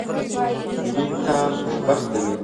ویده انسان خوشبخته وي